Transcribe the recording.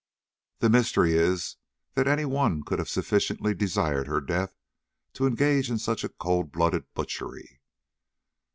The mystery is that any one could have sufficiently desired her death to engage in such a cold blooded butchery.